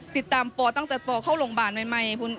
ติดตามป่าวตั้งแต่ป่าวเข้าโรงบาลใหม่